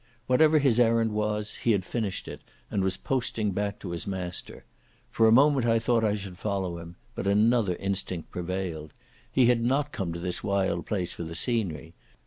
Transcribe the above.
Whatever his errand was he had finished it, and was posting back to his master. For a moment I thought I should follow him, but another instinct prevailed. He had not come to this wild place for the scenery.